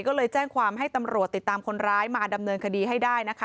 ก็เลยแจ้งความให้ตำรวจติดตามคนร้ายมาดำเนินคดีให้ได้นะคะ